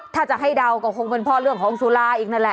ถ้าจะให้เดาก็คงเป็นเพราะเรื่องของสุราอีกนั่นแหละ